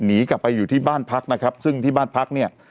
หนีกลับไปอยู่ที่บ้านพักนะครับซึ่งที่บ้านพักเนี่ย